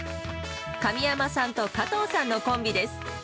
神山さんと加藤さんのコンビです。